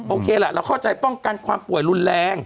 โอเคล่ะเราเข้าใจป้องกันความป่วยรุนแรง